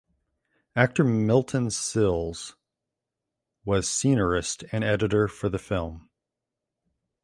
Actor Milton Sills was scenarist and editor for the film.